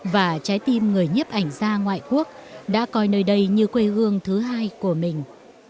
và trái tim người nhiếp ảnh gia ngoại quốc đã coi nơi đây như quê hương thứ hai của mình